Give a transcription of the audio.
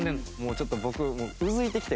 ちょっと僕。